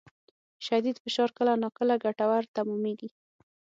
شدید فشار کله ناکله ګټور تمامېږي.